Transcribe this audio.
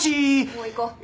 もう行こう。